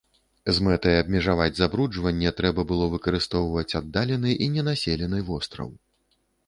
З мэтай абмежаваць забруджванне трэба было выкарыстоўваць аддалены і ненаселены востраў.